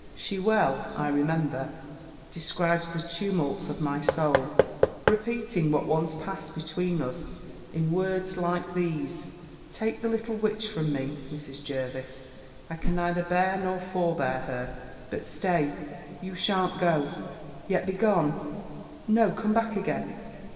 She well, I remember, describes the tumults of my soul, repeating what once passed between us, in words like, these: 'Take the little witch from me, Mrs. Jervis. I can neither bear, nor forbear her But stay you shan't go Yet be gone! No, come back again.'